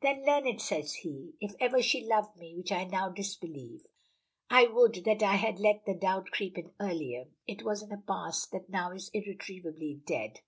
"Then learn it," says he. "If ever she loved me, which I now disbelieve (I would that I had let the doubt creep in earlier), it was in a past that now is irretrievably dead.